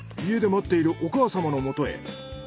家で待っているお母様の元へ。